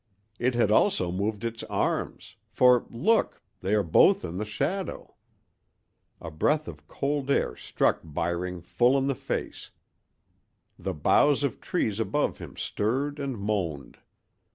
It had also moved its arms, for, look, they are both in the shadow! A breath of cold air struck Byring full in the face; the boughs of trees above him stirred and moaned.